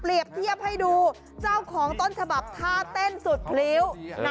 เทียบให้ดูเจ้าของต้นฉบับท่าเต้นสุดพริ้ว